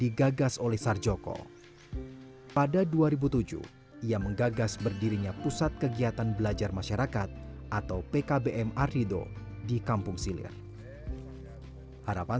istri saya apa namanya memberikan pelatihan pelatihan pembelajaran pelajaran